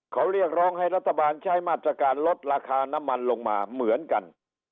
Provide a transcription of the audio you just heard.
เขาเรียกร้องให้รัฐบาลใช้มาตรการลดราคาน้ำมันลงมาเหมือนกัน